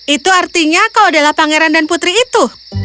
itu artinya kau adalah pangeran dan putri itu